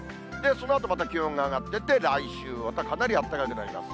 そのあとまた気温が上がっていって、来週またかなりあったかくなります。